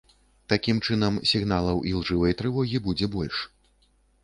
Такім чынам, сігналаў ілжывай трывогі будзе больш.